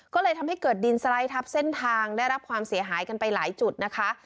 ก็เลยทำให้เกิดดินสไลด์ทับเส้นทางได้รับความเสียหายกันไปหลายจุดนะคะ